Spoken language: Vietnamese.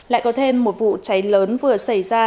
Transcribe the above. lại có thêm một vụ cháy lớn vừa xảy ra